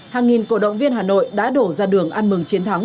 hàng nghìn cổ động viên hà nội đã đổ ra đường ăn mừng chiến thắng